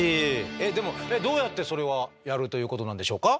えっでもどうやってそれはやるということなんでしょうか？